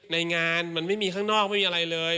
ในงานมันไม่มีข้างนอกไม่มีอะไรเลย